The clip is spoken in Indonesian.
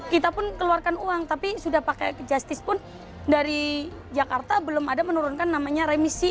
kita pun keluarkan uang tapi sudah pakai justice pun dari jakarta belum ada menurunkan namanya remisi